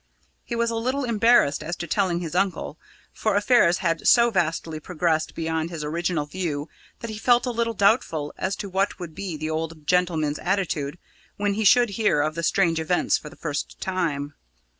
He was a little embarrassed as to telling his uncle, for affairs had so vastly progressed beyond his original view that he felt a little doubtful as to what would be the old gentleman's attitude when he should hear of the strange events for the first time.